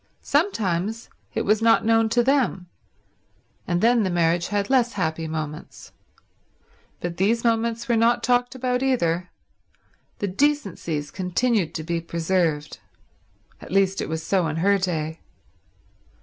Sometimes it was not known to them, and then the marriage had less happy moments; but these moments were not talked about either; the decencies continued to be preserved. At least, it was so in her day.